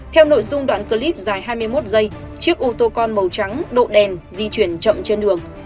theo nội dung đoạn clip dài hai mươi một giây chiếc ô tô con màu trắng độ đèn di chuyển chậm trên đường